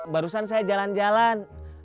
barusan saya jalan jalan